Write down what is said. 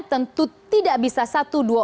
tentu tidak bisa satu dua